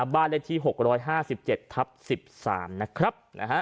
บ้านเลขที่๖๕๗ทับ๑๓นะครับ